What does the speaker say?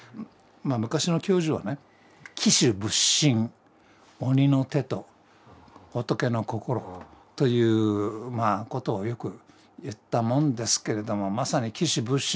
昔の教授はね「鬼手仏心」鬼の手と仏の心ということをよく言ったもんですけれどもまさに鬼手仏心。